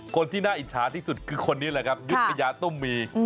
คนที่น่าอิจฉาที่สุดคือคนนี้แหละครับยุธยาตุ้มมี